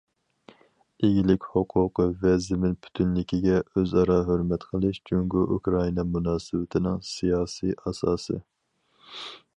ئىگىلىك ھوقۇقى ۋە زېمىن پۈتۈنلۈكىگە ئۆزئارا ھۆرمەت قىلىش جۇڭگو- ئۇكرائىنا مۇناسىۋىتىنىڭ سىياسىي ئاساسى.